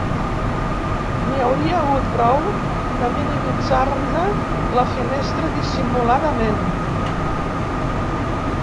N'hi hauria hagut prou de minimitzar-ne la finestra dissimuladament.